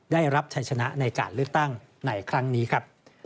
ได้รับชัยชนะในการเลือกตั้งในครั้งนี้ครับ